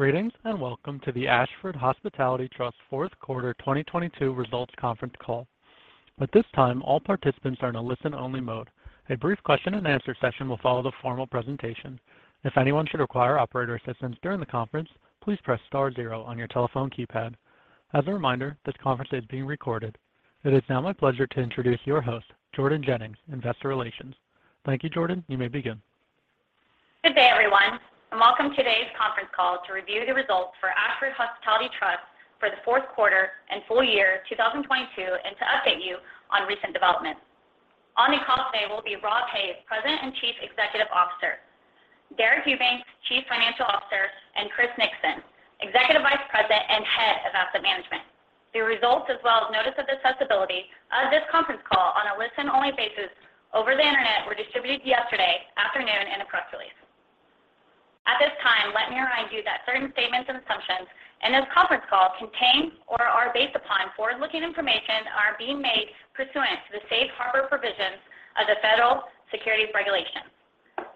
Greetings, welcome to the Ashford Hospitality Trust fourth quarter 2022 results conference call. At this time, all participants are in a listen-only mode. A brief question and answer session will follow the formal presentation. If anyone should require operator assistance during the conference, please press star zero on your telephone keypad. As a reminder, this conference is being recorded. It is now my pleasure to introduce your host, Jordan Jennings, Investor Relations. Thank you, Jordan. You may begin. Good day, everyone, and welcome today's conference call to review the results for Ashford Hospitality Trust for the fourth quarter and full year 2022, and to update you on recent developments. On the call today will be Rob Hays, President and Chief Executive Officer, Deric Eubanks, Chief Financial Officer, and Chris Nixon, Executive Vice President and Head of Asset Management. The results, as well as notice of accessibility of this conference call on a listen-only basis over the Internet, were distributed yesterday afternoon in a press release. At this time, let me remind you that certain statements and assumptions in this conference call contain or are based upon forward-looking information are being made pursuant to the safe harbor provisions of the Federal Securities Regulation.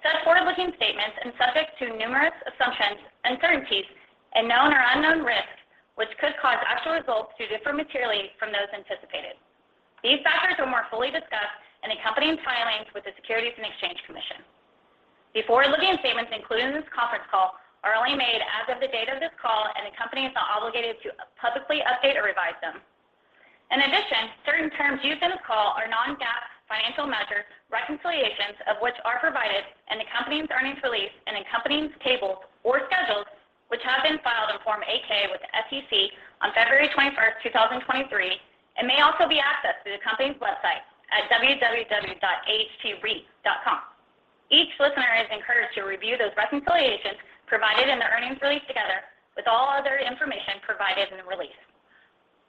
Such forward-looking statements and subject to numerous assumptions, uncertainties, and known or unknown risks which could cause actual results to differ materially from those anticipated. These factors are more fully discussed in the accompanying filings with the Securities and Exchange Commission. The forward-looking statements included in this conference call are only made as of the date of this call, and the company is not obligated to publicly update or revise them. In addition, certain terms used in this call are non-GAAP financial measures, reconciliations of which are provided in the company's earnings release and in company's tables or schedules which have been filed in Form 8-K with the SEC on February 21st, 2023, and may also be accessed through the company's website at www.ahtreit.com. Each listener is encouraged to review those reconciliations provided in the earnings release together with all other information provided in the release.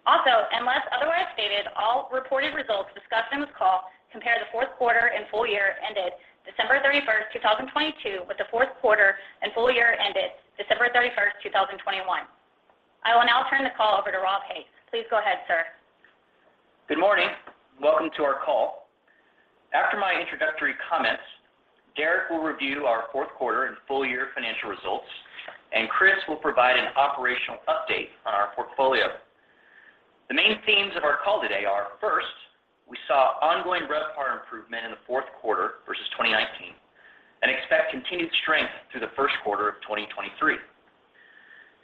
Also, unless otherwise stated, all reported results discussed in this call compare the fourth quarter and full year ended December 31, 2022, with the fourth quarter and full year ended December 31, 2021. I will now turn the call over to Rob Hays. Please go ahead, sir. Good morning. Welcome to our call. After my introductory comments, Deric will review our fourth quarter and full year financial results, and Chris will provide an operational update on our portfolio. The main themes of our call today are, first, we saw ongoing RevPAR improvement in the fourth quarter versus 2019, and expect continued strength through the first quarter of 2023.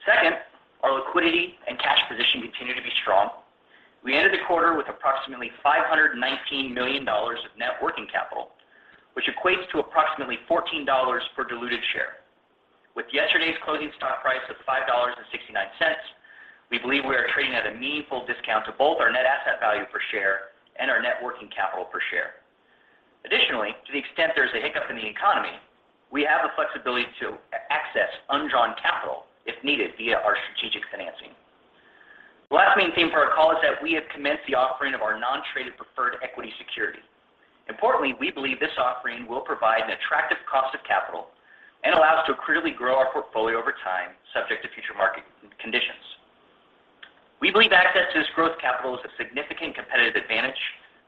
Second, our liquidity and cash position continue to be strong. We ended the quarter with approximately $519 million of net working capital, which equates to approximately $14 per diluted share. With yesterday's closing stock price of $5.69, we believe we are trading at a meaningful discount to both our net asset value per share and our net working capital per share. Additionally, to the extent there's a hiccup in the economy, we have the flexibility to access undrawn capital if needed via our strategic financing. The last main theme for our call is that we have commenced the offering of our non-traded preferred equity security. Importantly, we believe this offering will provide an attractive cost of capital and allow us to accretively grow our portfolio over time, subject to future market conditions. We believe access to this growth capital is a significant competitive advantage,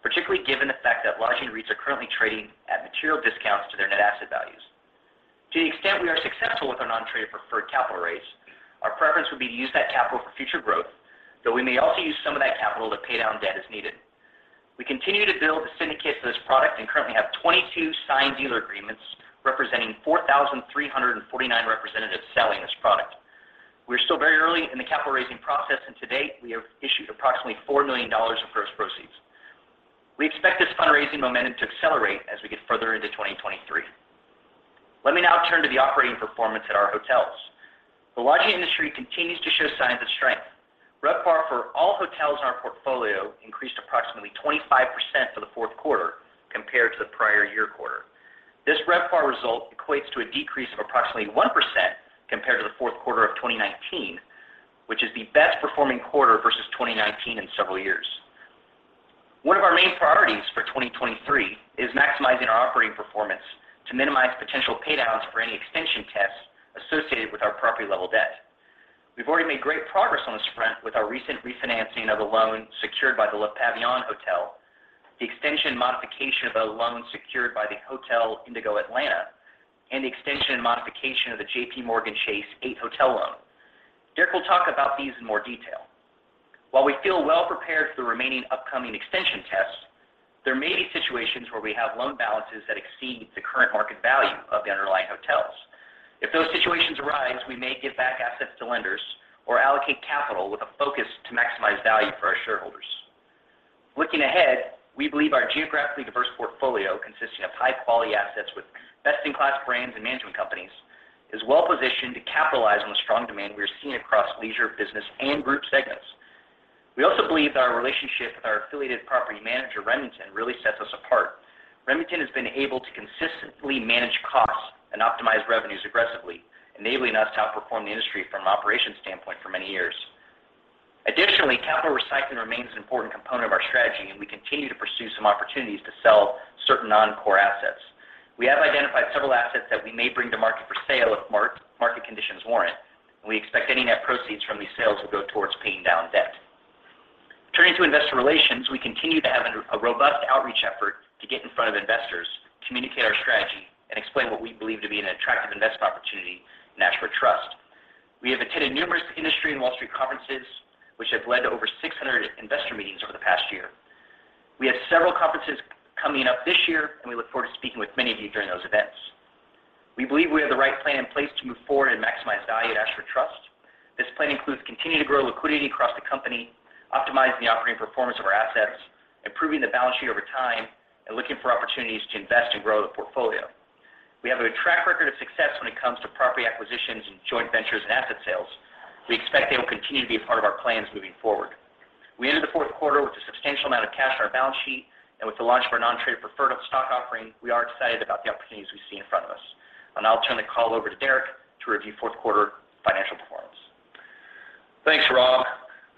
particularly given the fact that lodging REITs are currently trading at material discounts to their net asset values. To the extent we are successful with our non-traded preferred capital raise, our preference would be to use that capital for future growth, though we may also use some of that capital to pay down debt as needed. We continue to build the syndicate to this product and currently have 22 signed dealer agreements representing 4,349 representatives selling this product. We are still very early in the capital raising process, and to date, we have issued approximately $4 million of gross proceeds. We expect this fundraising momentum to accelerate as we get further into 2023. Let me now turn to the operating performance at our hotels. The lodging industry continues to show signs of strength. RevPAR for all hotels in our portfolio increased approximately 25% for the fourth quarter compared to the prior year quarter. This RevPAR result equates to a decrease of approximately 1% compared to the fourth quarter of 2019, which is the best performing quarter versus 2019 in several years. One of our main priorities for 2023 is maximizing our operating performance to minimize potential paydowns for any extension tests associated with our property-level debt. We've already made great progress on this front with our recent refinancing of the loan secured by the Le Pavillon Hotel, the extension modification of a loan secured by the Hotel Indigo Atlanta, and the extension and modification of the JPMorgan Chase 8 hotel loan. Deric will talk about these in more detail. We feel well prepared for the remaining upcoming extension tests. There may be situations where we have loan balances that exceed the current market value of the underlying hotels. If those situations arise, we may give back assets to lenders or allocate capital with a focus to maximize value for our shareholders. Looking ahead, we believe our geographically diverse portfolio consisting of high-quality assets with best-in-class brands and management companies is well-positioned to capitalize on the strong demand we are seeing across leisure, business, and group segments. We also believe that our relationship with our affiliated property manager, Remington, really sets us apart. Remington has been able to consistently manage costs and optimize revenues aggressively, enabling us to outperform the industry from an operations standpoint for many years. Capital recycling remains an important component of our strategy, and we continue to pursue some opportunities to sell certain non-core assets. We have identified several assets that we may bring to market for sale if market conditions warrant. We expect any net proceeds from these sales will go towards paying down debt. Relations, we continue to have a robust outreach effort to get in front of investors, communicate our strategy, and explain what we believe to be an attractive investment opportunity in Ashford Trust. We have attended numerous industry and Wall Street conferences, which have led to over 600 investor meetings over the past year. We have several conferences coming up this year, and we look forward to speaking with many of you during those events. We believe we have the right plan in place to move forward and maximize value at Ashford Trust. This plan includes continuing to grow liquidity across the company, optimizing the operating performance of our assets, improving the balance sheet over time, and looking for opportunities to invest and grow the portfolio. We have a track record of success when it comes to property acquisitions and joint ventures and asset sales. We expect they will continue to be a part of our plans moving forward. We ended the fourth quarter with a substantial amount of cash on our balance sheet, and with the launch of our non-traded preferred stock offering, we are excited about the opportunities we see in front of us. I'll now turn the call over to Deric to review fourth quarter financial performance. Thanks, Rob.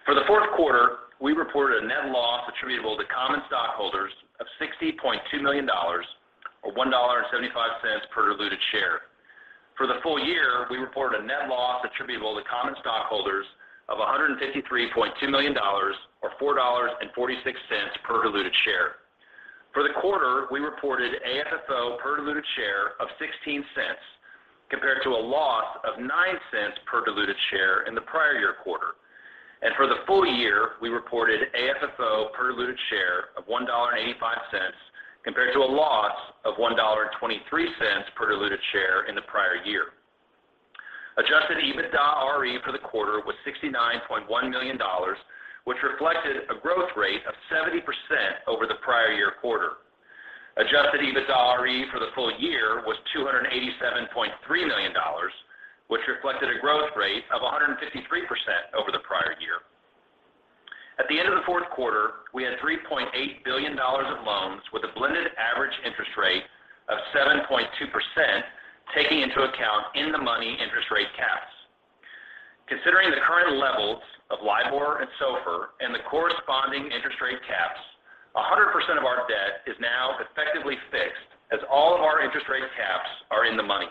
For the fourth quarter, we reported a net loss attributable to common stockholders of $60.2 million or $1.75 per diluted share. For the full year, we reported a net loss attributable to common stockholders of $153.2 million or $4.46 per diluted share. For the quarter, we reported AFFO per diluted share of $0.16 compared to a loss of $0.09 per diluted share in the prior year quarter. For the full year, we reported AFFO per diluted share of $1.85 compared to a loss of $1.23 per diluted share in the prior year. Adjusted EBITDARE for the quarter was $69.1 million, which reflected a growth rate of 70% over the prior year quarter. Adjusted EBITDARE for the full year was $287.3 million, which reflected a growth rate of 153% over the prior year. At the end of the fourth quarter, we had $3.8 billion of loans with a blended average interest rate of 7.2%, taking into account in-the-money interest rate caps. Considering the current levels of LIBOR and SOFR and the corresponding interest rate caps, 100% of our debt is now effectively fixed as all of our interest rate caps are in the money.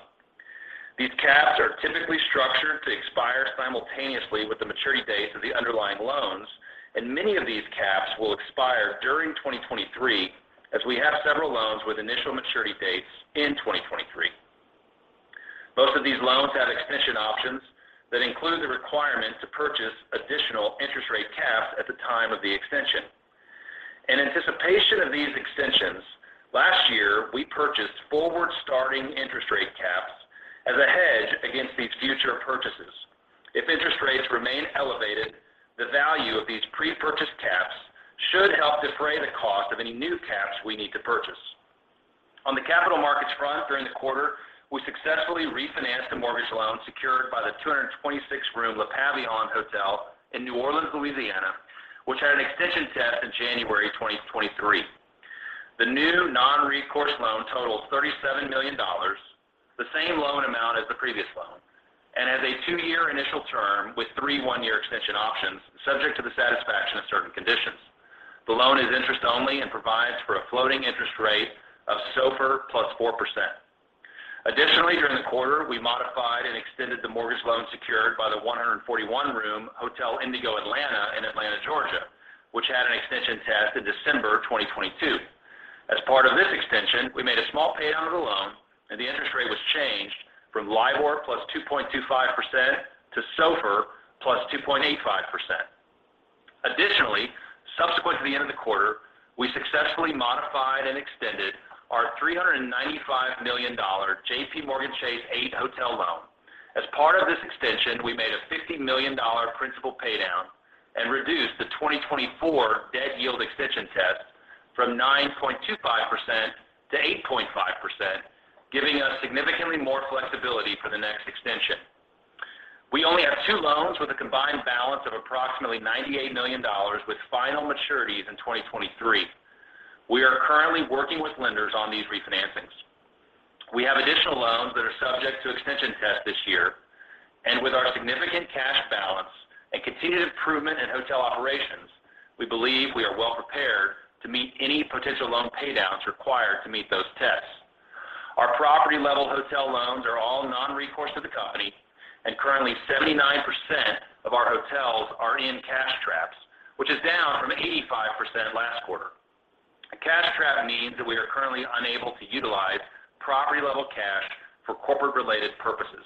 These caps are typically structured to expire simultaneously with the maturity dates of the underlying loans, and many of these caps will expire during 2023 as we have several loans with initial maturity dates in 2023. Most of these loans have extension options that include the requirement to purchase additional interest rate caps at the time of the extension. In anticipation of these extensions, last year, we purchased forward starting interest rate caps as a hedge against these future purchases. If interest rates remain elevated, the value of these pre-purchased caps should help defray the cost of any new caps we need to purchase. On the capital markets front during the quarter, we successfully refinanced the mortgage loan secured by the 226 room Le Pavillon Hotel in New Orleans, Louisiana, which had an extension test in January 2023. The new non-recourse loan totals $37 million, the same loan amount as the previous loan, and has a two-year initial term with three one-year extension options, subject to the satisfaction of certain conditions. The loan is interest only and provides for a floating interest rate of SOFR plus 4%. During the quarter, we modified and extended the mortgage loan secured by the 141-room Hotel Indigo Atlanta in Atlanta, Georgia, which had an extension test in December 2022. As part of this extension, we made a small pay down of the loan, and the interest rate was changed from LIBOR plus 2.25% to SOFR plus 2.85%. Subsequent to the end of the quarter, we successfully modified and extended our $395 million JPMorgan Chase 8 hotel loan. As part of this extension, we made a $50 million principal pay down and reduced the 2024 debt yield extension test from 9.25% to 8.5%, giving us significantly more flexibility for the next extension. We only have two loans with a combined balance of approximately $98 million with final maturities in 2023. We are currently working with lenders on these refinancings. We have additional loans that are subject to extension tests this year, with our significant cash balance and continued improvement in hotel operations, we believe we are well prepared to meet any potential loan pay downs required to meet those tests. Our property-level hotel loans are all non-recourse to the company, currently 79% of our hotels are in cash traps, which is down from 85% last quarter. A cash trap means that we are currently unable to utilize property-level cash for corporate-related purposes.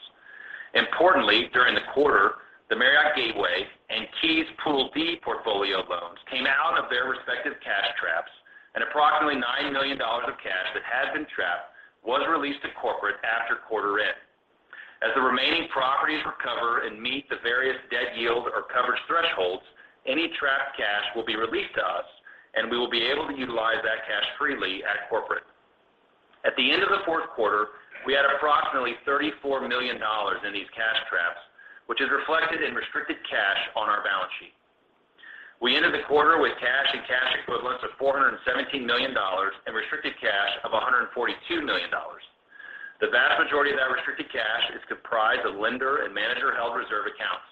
Importantly, during the quarter, the Marriott Gateway and KEYS Pool D portfolio loans came out of their respective cash traps, and approximately $9 million of cash that had been trapped was released to corporate after quarter end. As the remaining properties recover and meet the various debt yield or coverage thresholds, any trapped cash will be released to us, and we will be able to utilize that cash freely at corporate. At the end of the fourth quarter, we had approximately $34 million in these cash traps, which is reflected in restricted cash on our balance sheet. We ended the quarter with cash and cash equivalents of $417 million and restricted cash of $142 million. The vast majority of that restricted cash is comprised of lender and manager-held reserve accounts.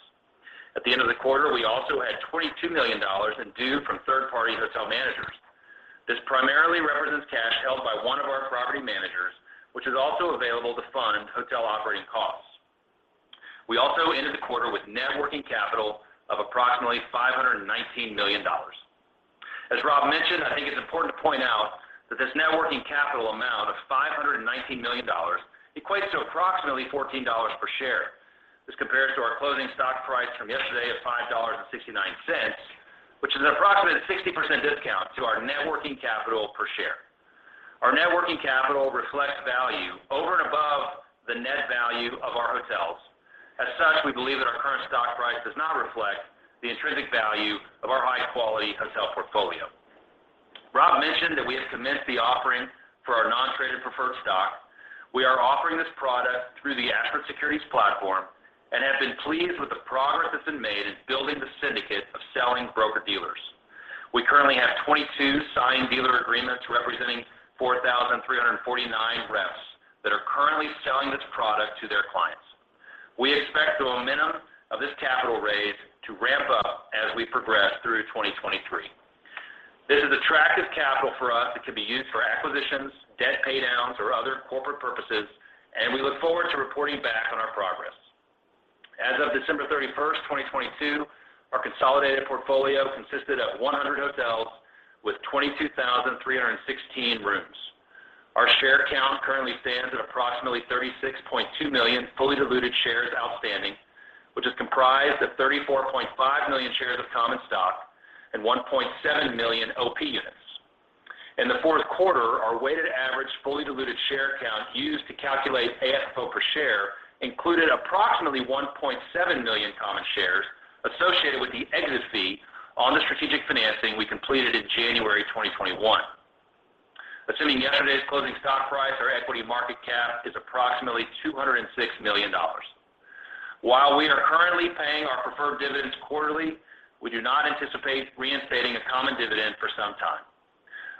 At the end of the quarter, we also had $22 million in due from third-party hotel managers, by one of our property managers, which is also available to fund hotel operating costs. We also ended the quarter with net working capital of approximately $519 million. As Rob mentioned, I think it's important to point out that this net working capital amount of $519 million equates to approximately $14 per share. This compares to our closing stock price from yesterday of $5.69, which is an approximate 60% discount to our net working capital per share. Our net working capital reflects value over and above the net value of our hotels. As such, we believe that our current stock price does not reflect the intrinsic value of our high-quality hotel portfolio. Rob mentioned that we have commenced the offering for our non-traded preferred stock. We are offering this product through the Ashford Securities platform and have been pleased with the progress that's been made in building the syndicate of selling broker-dealers. We currently have 22 signed dealer agreements representing 4,349 reps that are currently selling this product to their clients. We expect the momentum of this capital raise to ramp up as we progress through 2023. This is attractive capital for us that could be used for acquisitions, debt pay downs, or other corporate purposes, and we look forward to reporting back on our progress. As of December 31st, 2022, our consolidated portfolio consisted of 100 hotels with 22,316 rooms. Our share count currently stands at approximately 36.2 million fully diluted shares outstanding, which is comprised of 34.5 million shares of common stock and 1.7 million OP Units. In the fourth quarter, our weighted average, fully diluted share count used to calculate AFFO per share included approximately 1.7 million common shares associated with the exit fee on the strategic financing we completed in January 2021. Assuming yesterday's closing stock price, our equity market cap is approximately $206 million. While we are currently paying our preferred dividends quarterly, we do not anticipate reinstating a common dividend for some time.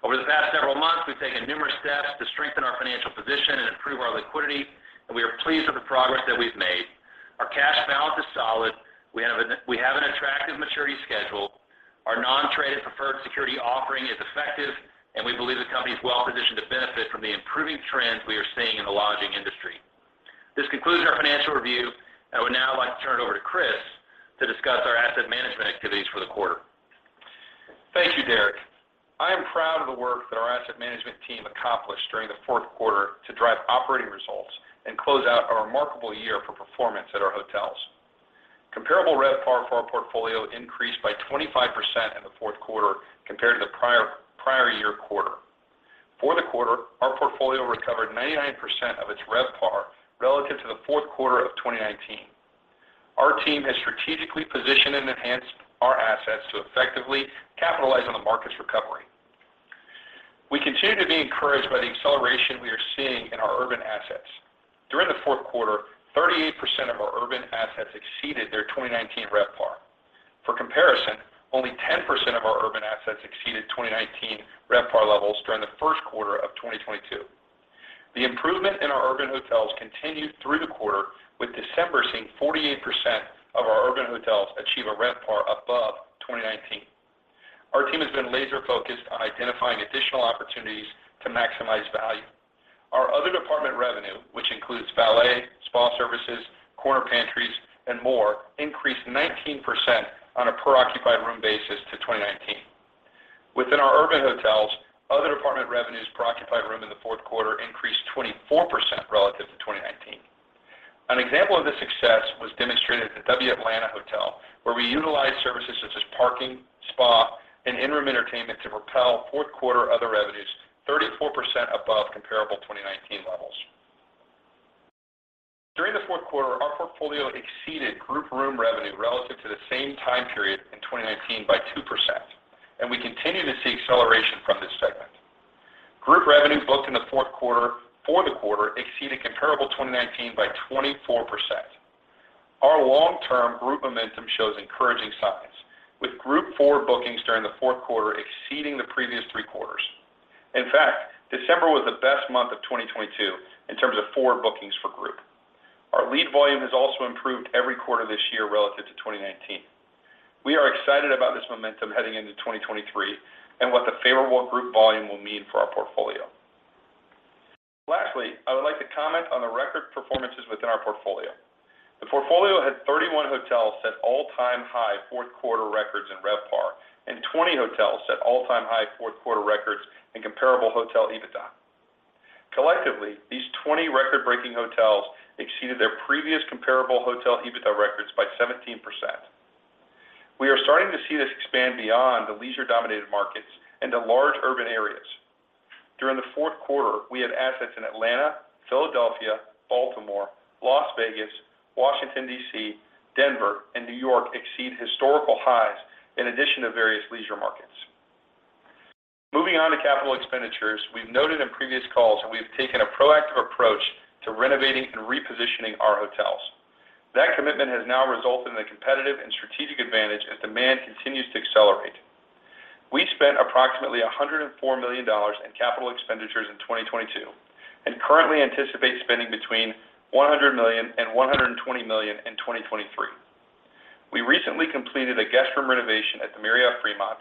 Over the past several months, we've taken numerous steps to strengthen our financial position and improve our liquidity, and we are pleased with the progress that we've made. Our cash balance is solid. We have an attractive maturity schedule. Our non-traded preferred security offering is effective, and we believe the company is well-positioned to benefit from the improving trends we are seeing in the lodging industry. This concludes our financial review. I would now like to turn it over to Chris to discuss our asset management activities for the quarter. you, Deric. I am proud of the work that our asset management team accomplished during the fourth quarter to drive operating results and close out a remarkable year for performance at our hotels. Comparable RevPAR for our portfolio increased by 25% in the fourth quarter compared to the prior year quarter. For the quarter, our portfolio recovered 99% of its RevPAR relative to the fourth quarter of 2019. Our team has strategically positioned and enhanced our assets to effectively capitalize on the market's recovery. We continue to be encouraged by the acceleration we are seeing in our urban assets. During the fourth quarter, 38% of our urban assets exceeded their 2019 RevPAR. For comparison, only 10% of our urban assets exceeded 2019 RevPAR levels during the first quarter of 2022. The improvement in our urban hotels continued through the quarter, with December seeing 48% of our urban hotels achieve a RevPAR above 2019. Our team has been laser-focused on identifying additional opportunities to maximize value. Our other department revenue, which includes valet, spa services, corner pantries, and more, increased 19% on a per occupied room basis to 2019. Within our urban hotels, other department revenues per occupied room in the fourth quarter increased 24% relative to 2019. An example of this success was demonstrated at the W Atlanta - Downtown, where we utilized services such as parking, spa, and in-room entertainment to propel fourth-quarter other revenues 34% above comparable 2019 levels. During the fourth quarter, our portfolio exceeded group room revenue relative to the same time period in 2019 by 2%, and we continue to see acceleration from this segment. Group revenue booked in the 4th quarter for the quarter exceeded comparable 2019 by 24%. Our long-term group momentum shows encouraging signs, with group forward bookings during the 4th quarter exceeding the previous three quarters. In fact, December was the best month of 2022 in terms of forward bookings for group. Our lead volume has also improved every quarter this year relative to 2019. We are excited about this momentum heading into 2023 and what the favorable group volume will mean for our portfolio. Lastly, I would like to comment on the record performances within our portfolio. The portfolio had 31 hotels set all-time high 4th-quarter records in RevPAR and 20 hotels set all-time high 4th-quarter records in comparable hotel EBITDA. Collectively, these 20 record-breaking hotels exceeded their previous comparable hotel EBITDA records by 17%. We are starting to see this expand beyond the leisure-dominated markets into large urban areas. During the fourth quarter, we had assets in Atlanta, Philadelphia, Baltimore, Las Vegas, Washington, D.C., Denver, and New York exceed historical highs in addition to various leisure markets. Moving on to capital expenditures, we've noted in previous calls that we have taken a proactive approach to renovating and repositioning our hotels. That commitment has now resulted in a competitive and strategic advantage as demand continues to accelerate. We spent approximately $104 million in capital expenditures in 2022 and currently anticipate spending between $100 million and $120 million in 2023. We recently completed a guest room renovation at the Marriott Fremont,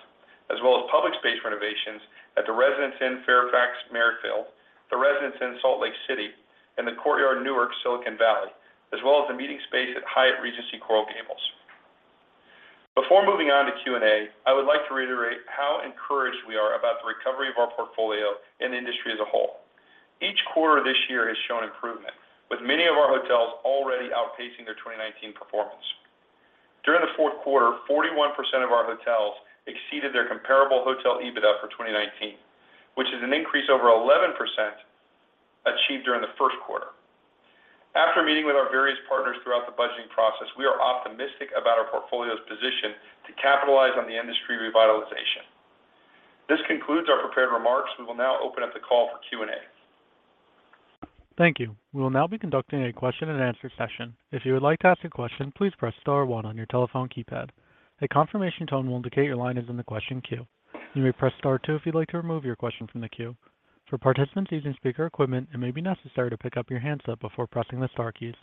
as well as public space renovations at the Residence Inn Fairfax Merrifield, the Residence Inn Salt Lake City, and the Courtyard Newark Silicon Valley, as well as the meeting space at Hyatt Regency Coral Gables. Before moving on to Q&A, I would like to reiterate how encouraged we are about the recovery of our portfolio and the industry as a whole. Each quarter this year has shown improvement, with many of our hotels already outpacing their 2019 performance. During the fourth quarter, 41% of our hotels exceeded their comparable hotelEBITDA for 2019, which is an increase over 11% achieved during the first quarter. After meeting with our various partners throughout the budgeting process, we are optimistic about our portfolio's position to capitalize on the industry revitalization. This concludes our prepared remarks. We will now open up the call for Q&A. Thank you. We will now be conducting a question and answer session. If you would like to ask a question, please press star one on your telephone keypad. A confirmation tone will indicate your line is in the question queue. You may press star two if you'd like to remove your question from the queue. For participants using speaker equipment, it may be necessary to pick up your handset before pressing the star keys.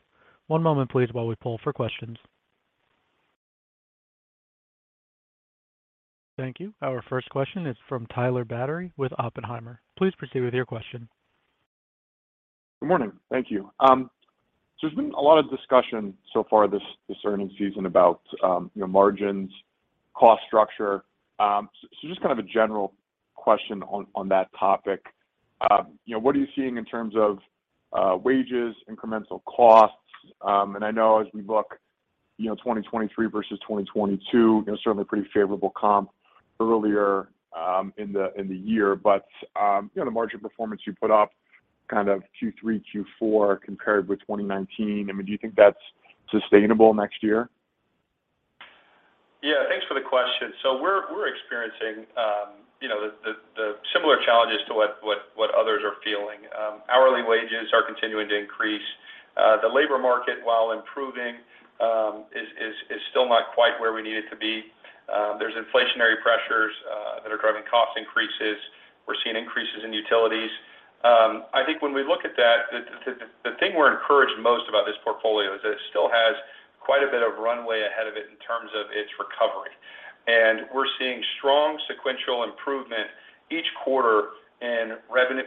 One moment, please, while we poll for questions. Thank you. Our first question is from Tyler Batory with Oppenheimer. Please proceed with your question. Good morning. Thank you. There's been a lot of discussion so far this earnings season about, you know, margins, cost structure. Just kind of a general question on that topic. You know, what are you seeing in terms of wages, incremental costs? I know as we look, you know, 2023 versus 2022, you know, certainly pretty favorable comp earlier in the year. You know, the margin performance you put up kind of Q3, Q4 compared with 2019, I mean, do you think that's sustainable next year? Yeah. Thanks for the question. We're experiencing, you know, the similar challenges to what others are feeling. Hourly wages are continuing to increase. The labor market, while improving, is still not quite where we need it to be. There's inflationary pressures that are driving cost increases. We're seeing increases in utilities. I think when we look at that, the thing we're encouraged most about this portfolio is that it still has quite a bit of runway ahead of it in terms of its recovery. We're seeing strong sequential improvement each quarter in revenue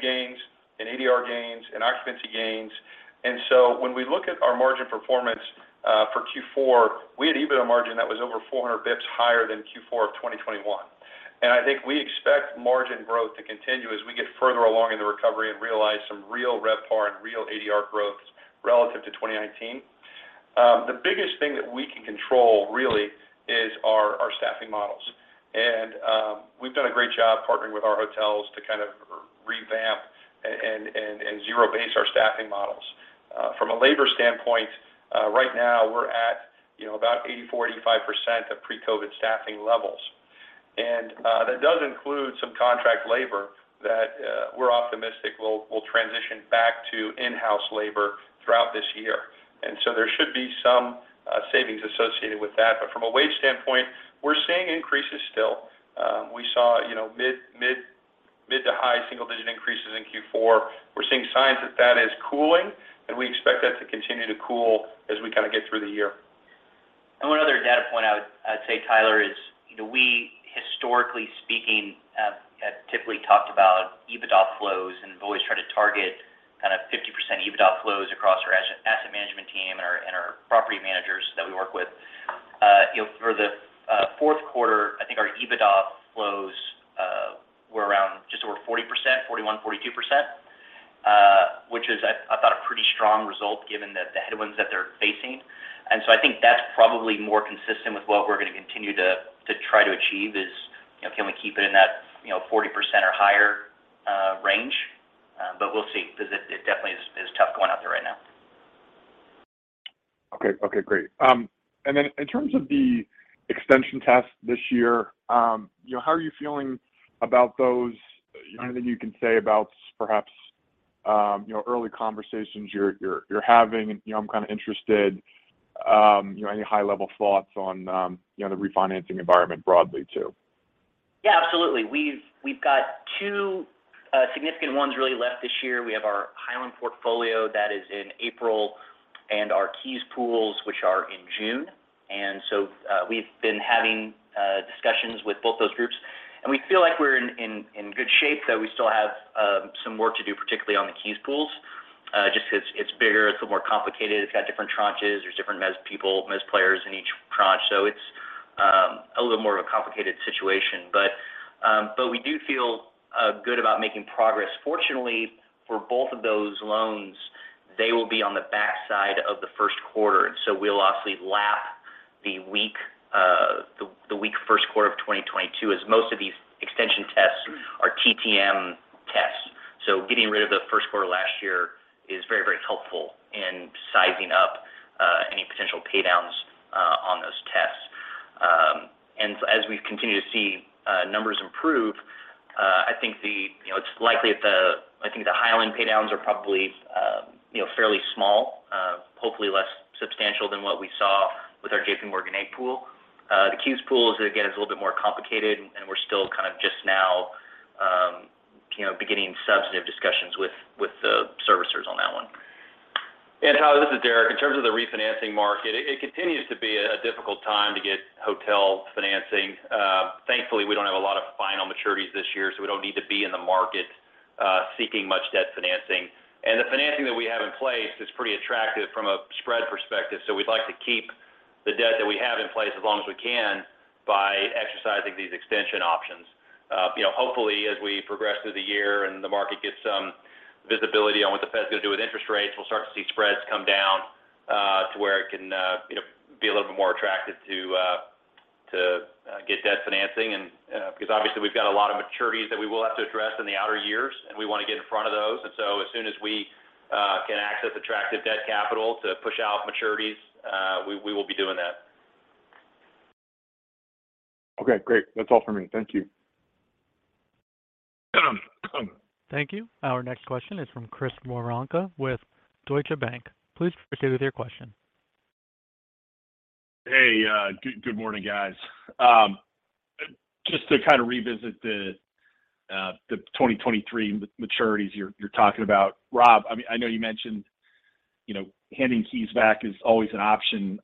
gains, in ADR gains, in occupancy gains. When we look at our margin performance for Q4, we had EBITDA margin that was over 400 bips higher than Q4 of 2021. I think we expect margin growth to continue as we get further along in the recovery and realize some real RevPAR and real ADR growth relative to 2019. The biggest thing that we can control really is our staffing models. We've done a great job partnering with our hotels to kind of revamp and zero-base our staffing models. From a labor standpoint, right now we're at, you know, about 84%-85% of pre-COVID staffing levels. That does include some contract labor that we're optimistic we'll transition back to in-house labor throughout this year. There should be some savings associated with that. From a wage standpoint, we're seeing increases still. We saw, you know, mid to high single digit increases in Q4. We're seeing signs that that is cooling, and we expect that to continue to cool as we kinda get through the year. One other data point I would, I'd say, Tyler, is, you know, we historically speaking, have typically talked about EBITDA flows and have always tried to target kind of 50% EBITDA flows across our asset management team and our property managers that we work with. You know, for the fourth quarter, I think our EBITDA flows were around just over 40%, 41%, 42%, which is I thought a pretty strong result given the headwinds that they're facing. I think that's probably more consistent with what we're gonna continue to try to achieve is, you know, can we keep it in that, you know, 40% or higher range? We'll see 'cause it definitely is tough going out there right now. Okay. Okay, great. Then in terms of the extension tests this year, you know, how are you feeling about those? Anything you can say about perhaps, you know, early conversations you're, you're having? You know, I'm kind of interested, you know, any high-level thoughts on, you know, the refinancing environment broadly too. Yeah, absolutely. We've got two significant ones really left this year. We have our Highland portfolio that is in April and our KEYS pools, which are in June. We've been having discussions with both those groups, and we feel like we're in good shape, though we still have some work to do, particularly on the KEYS pools, just 'cause it's bigger, it's a little more complicated. It's got different tranches. There's different mezz people, mezz players in each tranche. It's a little more of a complicated situation. We do feel good about making progress. Fortunately, for both of those loans, they will be on the back side of the first quarter, we'll obviously lap the weak first quarter of 2022, as most of these extension tests are TTM tests. Getting rid of the first quarter last year is very, very helpful in sizing up any potential paydowns on those tests. As we continue to see numbers improve, I think the... You know, it's likely that I think the Highland paydowns are probably, you know, fairly small, hopefully less substantial than what we saw with our JPMorgan A pool. The KEYS pool is again a little bit more complicated, we're still kind of just substantive discussions with the servicers on that one. Tyler, this is Deric. In terms of the refinancing market, it continues to be a difficult time to get hotel financing. Thankfully, we don't have a lot of final maturities this year, so we don't need to be in the market seeking much debt financing. The financing that we have in place is pretty attractive from a spread perspective, so we'd like to keep the debt that we have in place as long as we can by exercising these extension options. You know, hopefully, as we progress through the year and the market gets some visibility on what the Fed's gonna do with interest rates, we'll start to see spreads come down to where it can, you know, be a little bit more attractive to get debt financing. because obviously, we've got a lot of maturities that we will have to address in the outer years, and we wanna get in front of those. As soon as we can access attractive debt capital to push out maturities, we will be doing that. Great. That's all for me. Thank you. Thank you. Our next question is from Chris Woronka with Deutsche Bank. Please proceed with your question. Hey. Good morning, guys. Just to kind of revisit the 2023 maturities you're talking about. Rob, I mean, I know you mentioned, you know, handing keys back is always an option.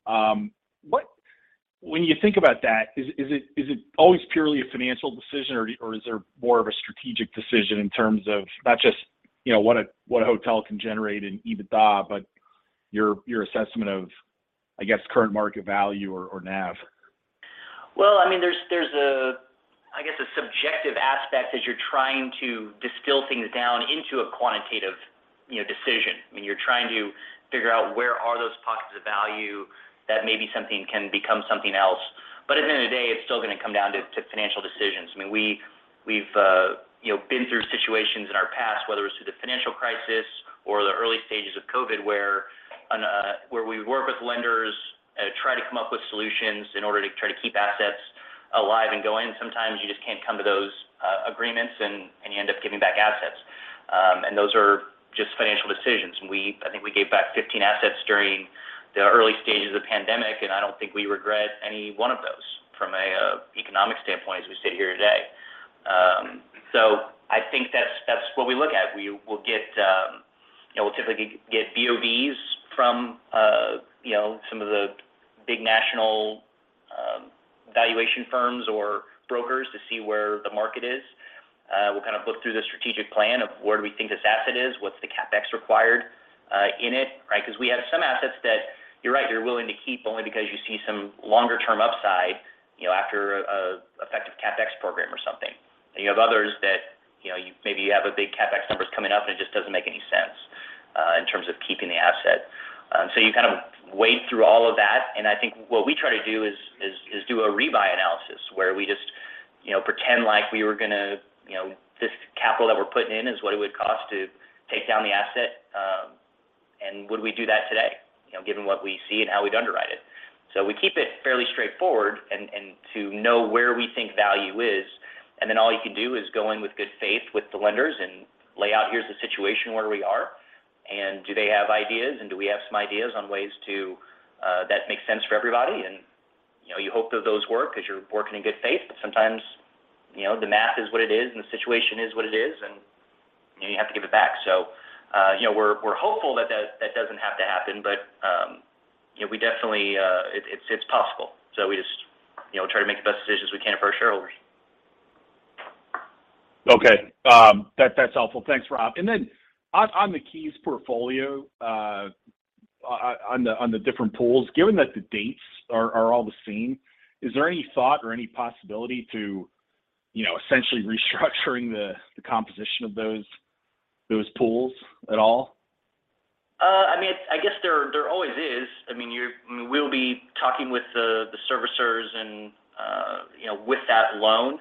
When you think about that, is it always purely a financial decision or is there more of a strategic decision in terms of not just, you know, what a hotel can generate in EBITDA, but your assessment of, I guess, current market value or NAV? Well, I mean, there's a, I guess, a subjective aspect as you're trying to distill things down into a quantitative, you know, decision. I mean, you're trying to figure out where are those pockets of value that maybe something can become something else. At the end of the day, it's still gonna come down to financial decisions. I mean, we've, you know, been through situations in our past, whether it's through the financial crisis or the early stages of COVID, where we work with lenders, try to come up with solutions in order to try to keep assets alive and going. Sometimes you just can't come to those agreements and you end up giving back assets. Those are just financial decisions, and I think we gave back 15 assets during the early stages of pandemic, and I don't think we regret any one of those from a economic standpoint as we sit here today. I think that's what we look at. We will get, you know, we'll typically get BOVs from, you know, some of the big national valuation firms or brokers to see where the market is. We'll kind of look through the strategic plan of where do we think this asset is, what's the CapEx required in it, right? 'Cause we have some assets that, you're right, you're willing to keep only because you see some longer term upside, you know, after a effective CapEx program or something. You have others that, you know, you maybe have a big CapEx numbers coming up, and it just doesn't make any sense in terms of keeping the asset. You kind of wade through all of that, and I think what we try to do is do a rebuy analysis where we just, you know, pretend like we were gonna, you know, this capital that we're putting in is what it would cost to take down the asset, and would we do that today, you know, given what we see and how we'd underwrite it. We keep it fairly straightforward and to know where we think value is, and then all you can do is go in with good faith with the lenders and lay out, "Here's the situation where we are, and do they have ideas, and do we have some ideas on ways to that make sense for everybody?" You know, you hope that those work because you're working in good faith, but sometimes, you know, the math is what it is and the situation is what it is and, you know, you have to give it back. You know, we're hopeful that that doesn't have to happen but, you know, we definitely, it's possible. We just, you know, try to make the best decisions we can for our shareholders. That's helpful. Thanks, Rob. On the KEYS portfolio, on the different pools, given that the dates are all the same, is there any thought or any possibility to, you know, essentially restructuring the composition of those pools at all? I mean, I guess there always is. I mean, you, I mean, we'll be talking with the servicers and, you know, with that loan.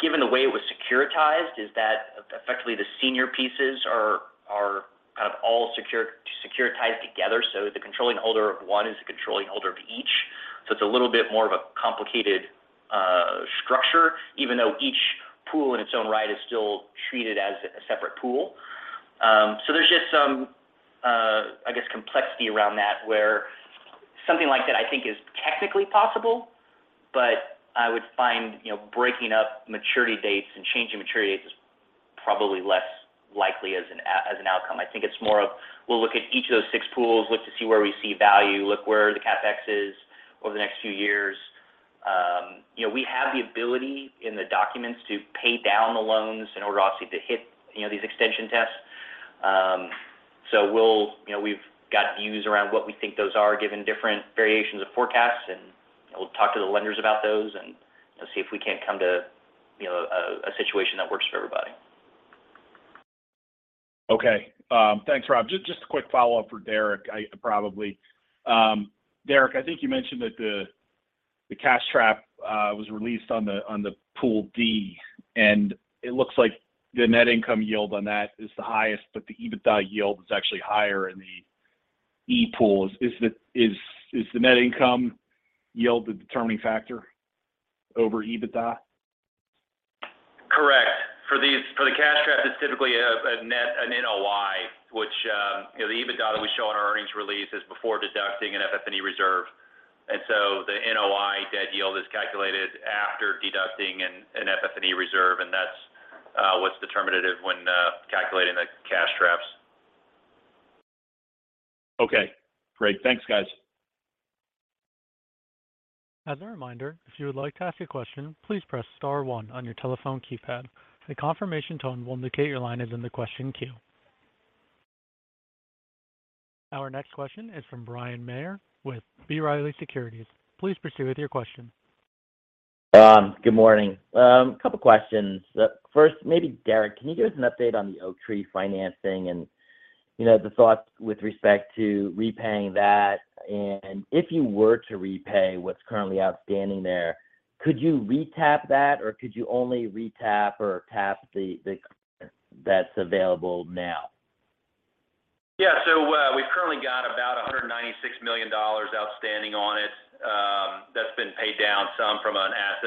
Given the way it was securitized is that effectively the senior pieces are kind of all securitized together, so the controlling holder of one is the controlling holder of each. It's a little bit more of a complicated structure, even though each pool in its own right is still treated as a separate pool. There's just some, I guess, complexity around that where something like that, I think is technically possible, but I would find, you know, breaking up maturity dates and changing maturity dates is probably less likely as an outcome. I think it's more of we'll look at each of those six pools, look to see where we see value, look where the CapEx is over the next few years. You know, we have the ability in the documents to pay down the loans in order obviously to hit, you know, these extension tests. We'll, you know, we've got views around what we think those are given different variations of forecasts, and we'll talk to the lenders about those and, you know, see if we can't come to, you know, a situation that works for everybody. Okay. thanks, Rob. Just a quick follow-up for Deric, probably. Deric, I think you mentioned that the cash trap was released on the pool D, and it looks like the net income yield on that is the highest, but the EBITDA yield is actually higher in the E pool. Is the net income yield the determining factor over EBITDA? Correct. For the cash trap, it's typically a netRelease is before deducting an FF&E reserve. The NOI debt yield is calculated after deducting an FF&E reserve, and that's what's determinative when calculating the cash traps. Okay, great. Thanks, guys. As a reminder, if you would like to ask a question, please press star one on your telephone keypad. A confirmation tone will indicate your line is in the question queue. Our next question is from Bryan Maher with B. Riley Securities. Please proceed with your question. Good morning. A couple questions. First, maybe Deric, can you give us an update on the Oaktree financing and, you know, the thoughts with respect to repaying that? If you were to repay what's currently outstanding there, could you re-tap that, or could you only re-tap or tap the that's available now? Yeah. We've currently got about $196 million outstanding on it, that's been paid down some from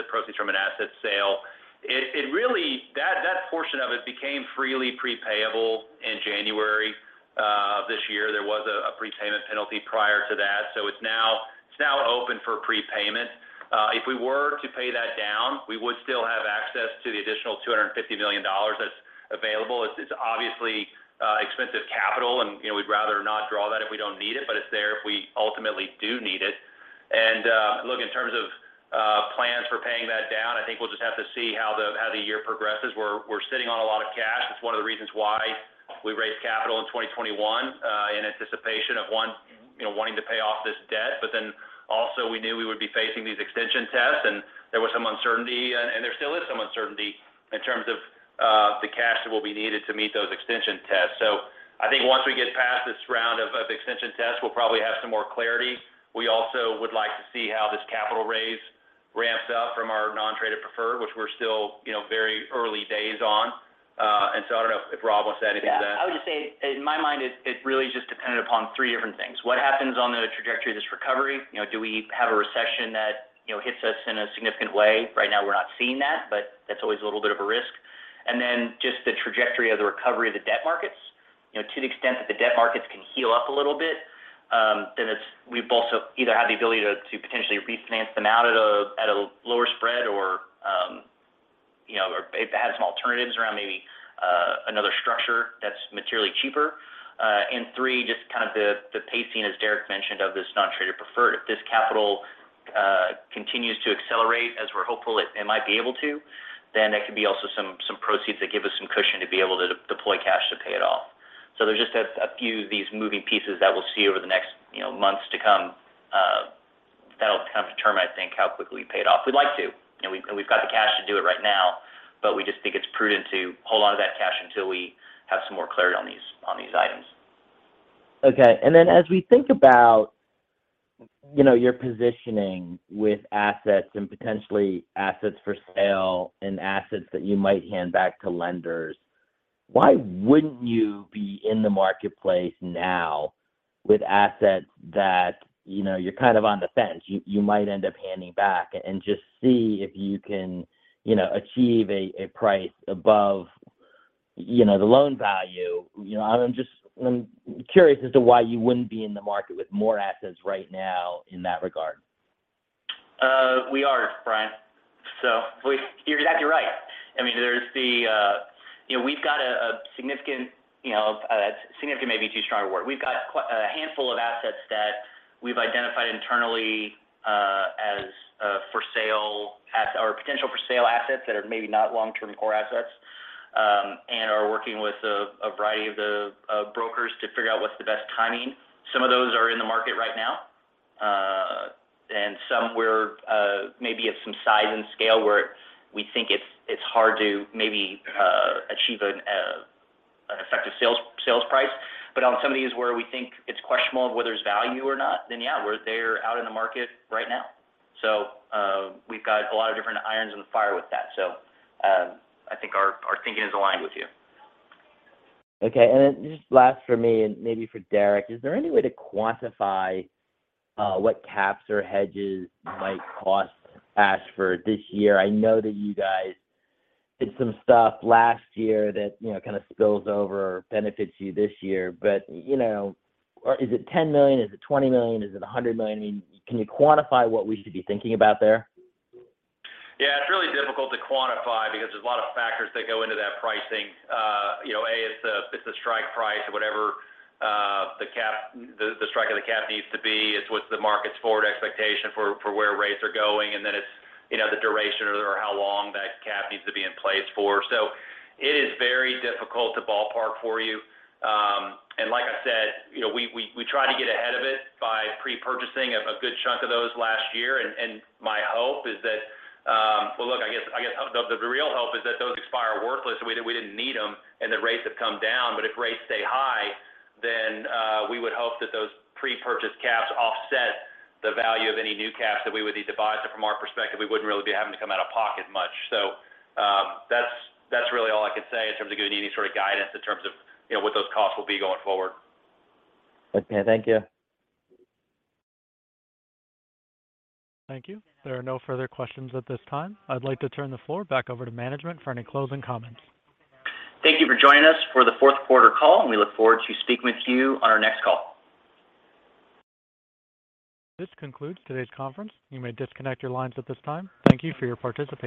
proceeds from an asset sale. That portion of it became freely pre-payable in January of this year. There was a prepayment penalty prior to that, so it's now open for prepayment. If we were to pay that down, we would still have access to the additional $250 million that's available. It's obviously expensive capital and, you know, we'd rather not draw that if we don't need it, but it's there if we ultimately do need it. Look, in terms of plans for paying that down, I think we'll just have to see how the year progresses. We're sitting on a lot of cash. It's one of the reasons why we raised capital in 2021, in anticipation of one, you know, wanting to pay off this debt, but then also we knew we would be facing these extension tests and there was some uncertainty and there still is some uncertainty in terms of, the cash that will be needed to meet those extension tests. I think once we get past this round of extension tests, we'll probably have some more clarity. We also would like to see how this capital raise ramps up from our non-traded preferred, which we're still, you know, very early days on. I don't know if Rob wants to add anything to that. I would just say in my mind, it really is just dependent upon three different things. What happens on the trajectory of this recovery? You know, do we have a recession that, you know, hits us in a significant way? Right now we're not seeing that, but that's always a little bit of a risk. Just the trajectory of the recovery of the debt markets. You know, to the extent that the debt markets can heal up a little bit, we either have the ability to potentially refinance them out at a lower spread or, you know, or have some alternatives around maybe another structure that's materially cheaper. Three, just kind of the pacing, as Deric mentioned, of this non-traded preferred. If this capital continues to accelerate as we're hopeful it might be able to, then that could be also some proceeds that give us some cushion to be able to deploy cash to pay it off. There's just a few of these moving pieces that we'll see over the next, you know, months to come, that'll kind of determine, I think, how quickly we pay it off. We'd like to, and we've got the cash to do it right now, but we just think it's prudent to hold onto that cash until we have some more clarity on these items. As we think about, you know, your positioning with assets and potentially assets for sale and assets that you might hand back to lenders, why wouldn't you be in the marketplace now with assets that, you know, you're kind of on the fence, you might end up handing back and just see if you can, you know, achieve a price above, you know, the loan value? You know, I'm curious as to why you wouldn't be in the market with more assets right now in that regard. We are, Bryan Maher. You're exactly right. I mean, there's the. You know, we've got a significant, you know, significant may be too strong a word. We've got a handful of assets that we've identified internally, as for sale or potential for sale assets that are maybe not long-term core assets, and are working with a variety of the brokers to figure out what's the best timing. Some of those are in the market right now, and some we're maybe of some size and scale where we think it's hard to maybe achieve an effective sales price. On some of these where we think it's questionable of whether it's value or not, yeah, they're out in the market right now. We've got a lot of different irons in the fire with that. I think our thinking is aligned with you. Okay. Then just last for me and maybe for Deric, is there any way to quantify what caps or hedges might cost Ashford this year? I know that you guys did some stuff last year that, you know, kind of spills over or benefits you this year. You know, or is it $10 million? Is it $20 million? Is it $100 million? I mean, can you quantify what we should be thinking about there? Yeah. It's really difficult to quantify because there's a lot of factors that go into that pricing. you know, A, it's the, it's the strike price or whatever, the cap, the strike of the cap needs to be. It's what the market's forward expectation for where rates are going. Then it's, you know, the duration or how long that cap needs to be in place for. It is very difficult to ballpark for you. And like I said, you know, we try to get ahead of it by pre-purchasing a good chunk of those last year. And my hope is that... Well, look, I guess, the real hope is that those expire worthless and we didn't need them and that rates have come down. If rates stay high, then we would hope that those pre-purchase caps offset the value of any new caps that we would need to buy. From our perspective, we wouldn't really be having to come out of pocket much. That's, that's really all I can say in terms of giving you any sort of guidance in terms of, you know, what those costs will be going forward. Okay. Thank you. Thank you. There are no further questions at this time. I'd like to turn the floor back over to management for any closing comments. Thank you for joining us for the fourth quarter call, and we look forward to speaking with you on our next call. This concludes today's conference. You may disconnect your lines at this time. Thank you for your participation.